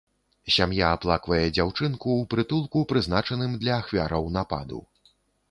Сям'я аплаквае дзяўчынку ў прытулку, прызначаным для ахвяраў нападу.